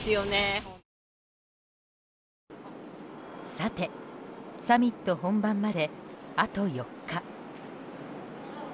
さて、サミット本番まであと４日。